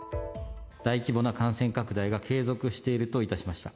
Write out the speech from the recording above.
大規模な感染拡大が継続しているといたしました。